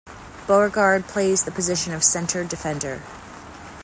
Beauregard plays the position of center defender.